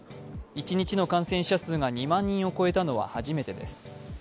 一日の感染者数が２万人を超えたのは初めてです。